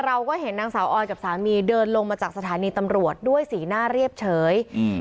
เราก็เห็นนางสาวออยกับสามีเดินลงมาจากสถานีตำรวจด้วยสีหน้าเรียบเฉยอืม